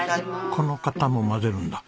この方も混ぜるんだ。